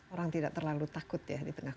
orang tidak terlalu takut ya di tengah